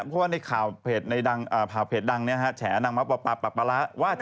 เพราะว่าในข่าวเพจดังแฉอนางร้ายป่าปลาร้า